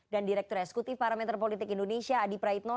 dan direktur esekutif parameter politik indonesia adi praitno